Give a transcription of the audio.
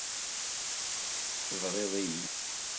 Tebriḍ-iyi.